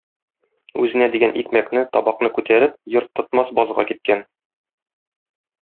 Үзенә дигән икмәкне, табакны күтәреп Йорт тотмас базга киткән.